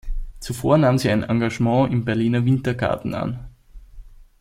Zuvor nahm sie ein Engagement im Berliner "Wintergarten" an.